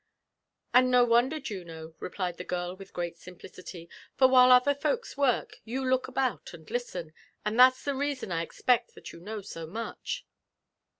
"And no wonder, Juno," replied the girl with great simplicity ;" for while other folks work, you look about and listen, — and that's the reason, I expect, (hat you know so much."